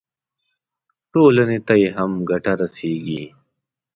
ټولنې ته یې هم ګټه رسېږي.